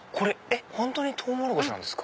本当にトウモロコシなんですか？